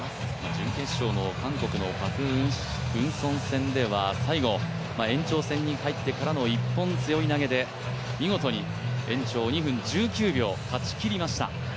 準決勝も韓国のパク・ウンソン戦では最後、延長戦に入ってからの一本背負い投げで延長２分１９秒、勝ちきりました。